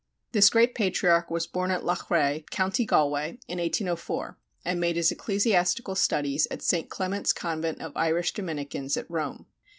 This great patriarch was born at Loughrea, Co. Galway, in 1804, and made his ecclesiastical studies at St. Clement's convent of Irish Dominicans at Rome.